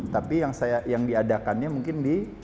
tapi yang saya yang diadakannya mungkin di indonesia